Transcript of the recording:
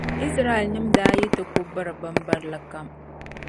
Izraɛlnima daa yi ti kul biri bimbirili kam.